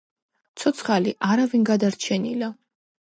ცოცხალი არავინ გადარჩენილა.